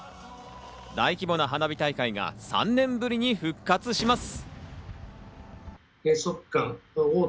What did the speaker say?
大規模な花火大会が３年ぶりに復活します。